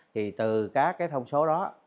thì từ các cái thông số đó